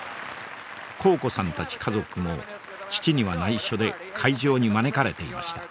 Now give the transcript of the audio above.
紘子さんたち家族も父にはないしょで会場に招かれていました。